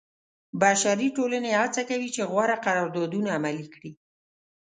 بشري ټولنې هڅه کوي چې غوره قراردادونه عملي کړي.